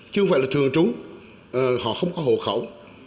chứ không phải là thường trú họ không có hộ khẩu